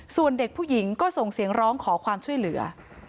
ส่วนเด็กผู้หญิงก็ส่งเสียงร้องขอความช่วยเหลือ